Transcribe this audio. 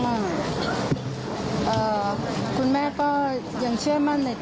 วันนี้ใกล้จังเลยคุณแม่ก็เชื่อมั่นในตำรวจนะคะ